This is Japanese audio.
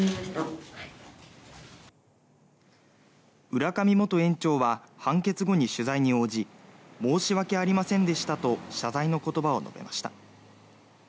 浦上元園長は判決後に取材に応じ申し訳ありませんでしたと謝罪の言葉を述べました。